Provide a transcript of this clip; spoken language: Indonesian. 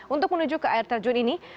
untuk menuju ke air terjun ini